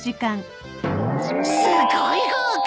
すごい豪華！